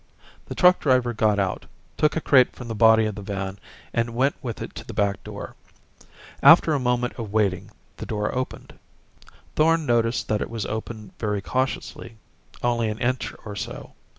The truck driver got out, took a crate from the body of the van, and went with it to the back door. After a moment of waiting, the door opened. Thorn noticed that it was opened very cautiously, only an inch or so.